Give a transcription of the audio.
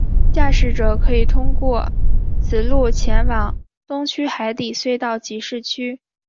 驾驶者可以通过此路前往东区海底隧道及市区。